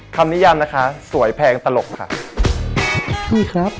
คำนิยำนะคะสวยแพงตลกค่ะ